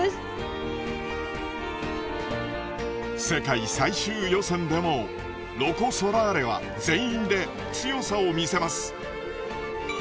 世界最終予選でもロコ・ソラーレは全員で強さを見せます。